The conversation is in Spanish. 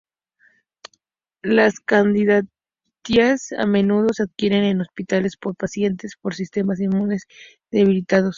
La candidiasis a menudo se adquiere en hospitales por pacientes con sistemas inmunes debilitados.